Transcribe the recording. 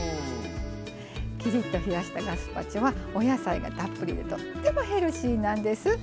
きりっと冷やしたガスパチョはお野菜がたっぷりでとってもヘルシーなんです。